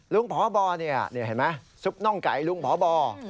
ลุงพบนี่เห็นไหมซุปน้องไก่ลุงพบ